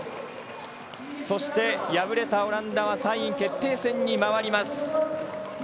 そして、敗れたオランダは３位決定戦に回ります。